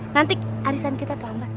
nanti arisan kita terlambat